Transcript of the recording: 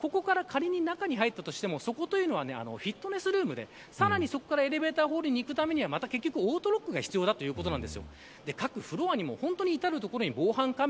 ただ住民の話ではここから仮に中に入ったとしてもそこはフィットネスルームでそこからエレベーターホールに行くために結局、またオートロックが必要だということです。